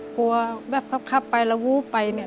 แบบขับไปแล้ววู้ไปเนี่ย